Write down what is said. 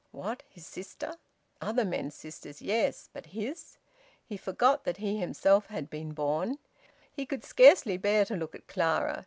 What, his sister? Other men's sisters, yes; but his! He forgot that he himself had been born. He could scarcely bear to look at Clara.